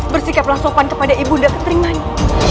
bersikaplah sopan kepada ibu nda ketrimani